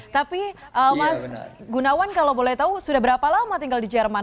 tapi mas gunawan kalau boleh tahu sudah berapa lama tinggal di jerman